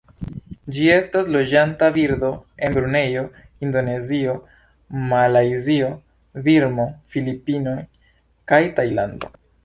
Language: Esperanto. Ĝi estas loĝanta birdo en Brunejo, Indonezio, Malajzio, Birmo, Filipinoj kaj Tajlando.